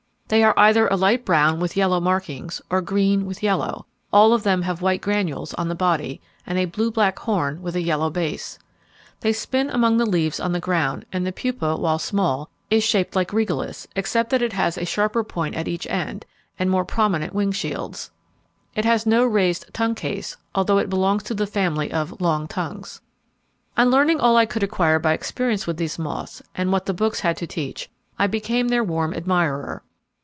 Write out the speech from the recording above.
They are either a light brown with yellow markings, or green with yellow; all of them have white granules on the body, and a blue black horn with a yellow base. They spin among the leaves on the ground, and the pupa, while small, is shaped like Regalis, except that it has a sharper point at each end, and more prominent wing shields. It has no raised tongue case, although it belongs to the family of 'long tongues.' On learning all I could acquire by experience with these moths, and what the books had to teach, I became their warm admirer.